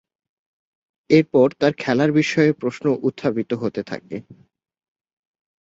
এরপর তার খেলার বিষয়ে প্রশ্ন উত্থাপিত হতে থাকে।